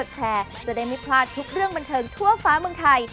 แชร์จะได้ไม่พลาดทุกเรื่องบันเทิงทั่วฟ้าเมืองไทย